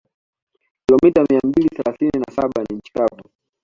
Kilomita mia mbili thelathini na saba ni nchi kavu